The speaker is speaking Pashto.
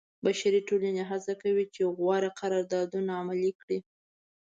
بشري ټولنې هڅه کوي چې غوره قراردادونه عملي کړي.